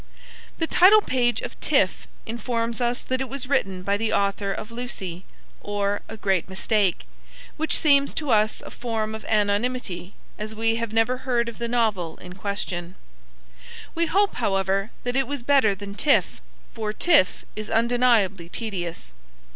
The title page of Tiff informs us that it was written by the author of Lucy; or, a Great Mistake, which seems to us a form of anonymity, as we have never heard of the novel in question. We hope, however, that it was better than Tiff, for Tiff is undeniably tedious.